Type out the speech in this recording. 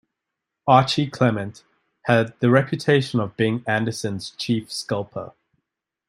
Archie Clement had the reputation of being Anderson's "chief scalper".